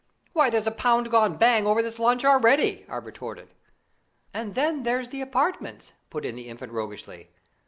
"Why, there's a pound gone bang over this lunch already!" I retorted. "And then there's the apartments," put in the Infant roguishly.